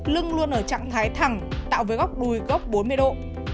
lưng luôn ở trạng thái thẳng tạo với góc đùi gốc bốn mươi độ